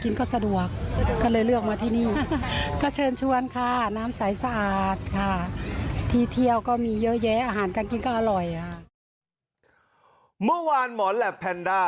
เมื่อวานหมอแหลปแพนด้า